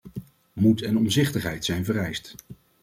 Moed en omzichtigheid zijn vereist.